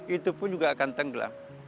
itu pun juga akan tenggelam